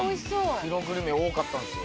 黒グルメ多かったんですよ。